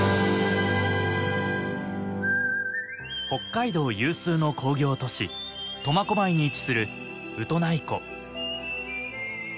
北海道有数の工業都市苫小牧に位置するウトナイ湖。